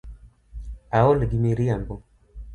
Aol gi miriambo .